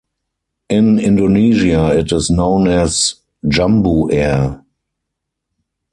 In Indonesia it is known as "Jambu Air".